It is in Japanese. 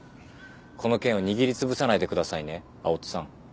この件を握りつぶさないでくださいね青砥さん。